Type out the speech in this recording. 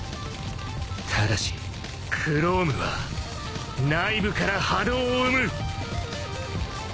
ただしＫ・ＲＯＯＭは内部から波動を生む！